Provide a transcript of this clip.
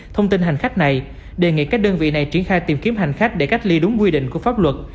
thông tin hành khách này đề nghị các đơn vị này triển khai tìm kiếm hành khách để cách ly đúng quy định của pháp luật